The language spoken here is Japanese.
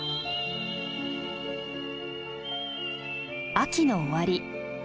秋の終わり。